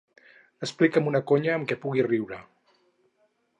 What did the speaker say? Explica'm una conya amb què pugui riure.